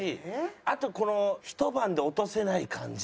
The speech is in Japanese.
あとこの一晩で落とせない感じ？